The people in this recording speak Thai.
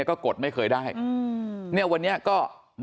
มันต้องการมาหาเรื่องมันจะมาแทงนะ